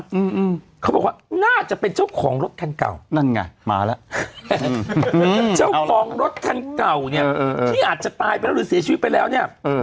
อืมเขาบอกว่าน่าจะเป็นเจ้าของรถคันเก่านั่นไงมาแล้วเจ้าของรถคันเก่าเนี้ยเออที่อาจจะตายไปแล้วหรือเสียชีวิตไปแล้วเนี้ยเออ